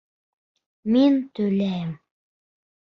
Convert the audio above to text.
Мин түләйем.